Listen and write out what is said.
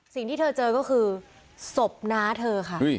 สิ่งที่เธอเจอก็คือศพน้าเธอค่ะ